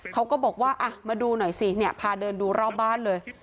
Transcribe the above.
เขาก็บอกว่ามาดูหน่อยสิเนี่ยพาเดินดูรอบบ้านเลย